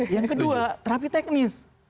yang kedua terapi teknis